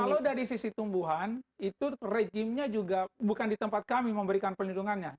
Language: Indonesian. kalau dari sisi tumbuhan itu rejimnya juga bukan di tempat kami memberikan perlindungannya